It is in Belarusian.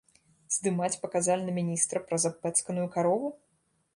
Здымаць паказальна міністра праз абпэцканую карову?!